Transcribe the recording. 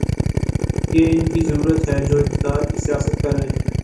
یہ ان کی ضرورت ہے جو اقتدار کی سیاست کر رہے ہیں۔